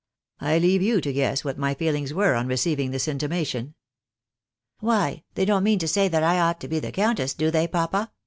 I leave you to guess what my feelings were on receiving this intimation." " Why, they don't mean to say that I ought to be the countess, do they, papa